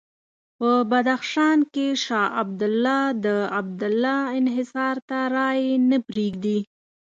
په بدخشان کې شاه عبدالله د عبدالله انحصار ته رایې نه پرېږدي.